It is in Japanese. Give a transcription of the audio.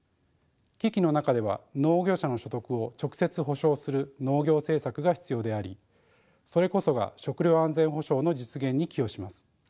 危機の中では農業者の所得を直接補償する農業政策が必要でありそれこそが食料安全保障の実現に寄与します。